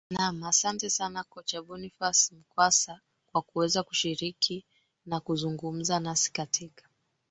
naam asante sana kocha bonifas mkwasa kwa kuweza kushiriki na kuzungumza nasi katika